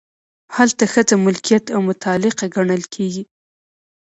هلته ښځه ملکیت او متعلقه ګڼل کیږي.